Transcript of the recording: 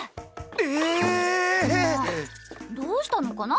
ええ⁉どうしたのかな？